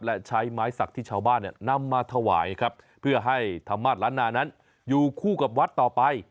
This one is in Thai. และใช้ไม้สักที่ชาวบ้านเนี่ยนำมาถวายครับเพื่อให้ธรรมาสล้านนานั้นอยู่คู่กับวัดต่อไป